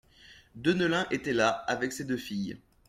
Deneulin était là, avec ses deux filles.